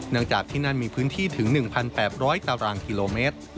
หลังจากที่นั่นมีพื้นที่ถึง๑๘๐๐ตารางกิโลเมตร